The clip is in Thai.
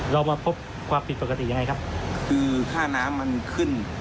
เรามาพบความผิดปกติยังไงครับคือค่าน้ำมันขึ้น